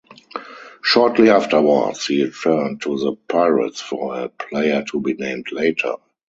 Shortly afterwards, he returned to the Pirates for a player to be named later.